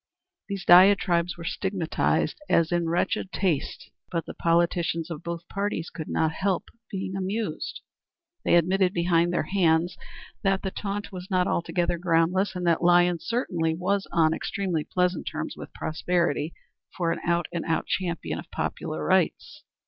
These diatribes were stigmatized as in wretched taste, but the politicians of both parties could not help being amused. They admitted behind their hands that the taunt was not altogether groundless, and that Lyons certainly was on extremely pleasant terms with prosperity for an out and out champion of popular rights.